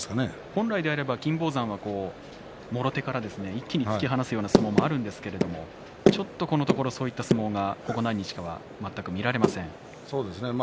本来、金峰山はもろ手から一気に突き放すような相撲もあるんですがちょっとこのところここ何日か全く見られません。